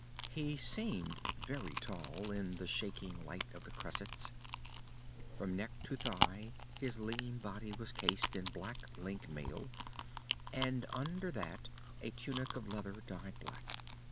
He seemed very tall, in the shaking light of the cressets. From neck to thigh his lean body was cased in black link mail, and under that a tunic of leather, dyed black.